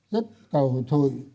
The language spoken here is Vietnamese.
rất cầu thụ